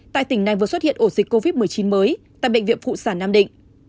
tại tỉnh này vừa xuất hiện ổ dịch covid một mươi chín mới tại bệnh viện phụ sản nam định